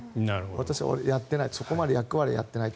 私はやっていないそこまでの役割はやっていないと。